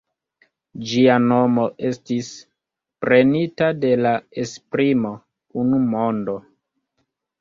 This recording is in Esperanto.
Ĝia nomo estis prenita de la esprimo "unu mondo".